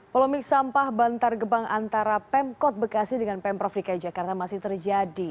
polomik sampah bantar gebang antara pemkot bekasi dengan pemprov dki jakarta masih terjadi